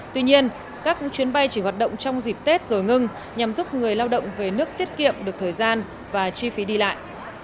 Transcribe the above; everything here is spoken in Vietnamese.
tuy nhiên các chuyến bay chỉ hoạt động trong dịp tết rồi ngưng nhằm giúp người lao động về nước tiết kiệm được thời gian và chi phí đi lại